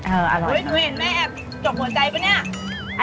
เมี้ยแอ๊บหอมเหมือนเธอบ้างะ